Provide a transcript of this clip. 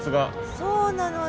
そうなのよ。